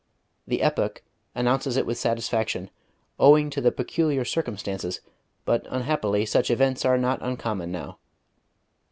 The Epoch announces it with satisfaction, owing to the peculiar circumstances; but unhappily such events are not uncommon now....